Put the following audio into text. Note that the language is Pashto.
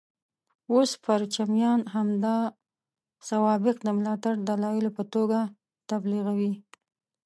اوس پرچمیان همدا سوابق د ملاتړ دلایلو په توګه تبلیغوي.